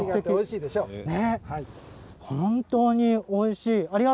本当においしい。